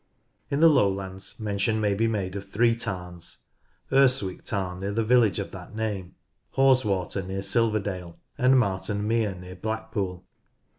In the lowlands mention may be made of three tarns, Urswick Tarn near the village of that name, Haweswater near Silverdale, and Marton Mere near Blackpool.